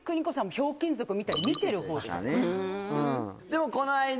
「ひょうきん族」見たり見てる方です